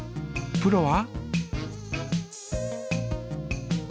プロは？